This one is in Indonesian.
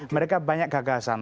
mereka banyak gagasan